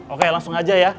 oke langsung aja ya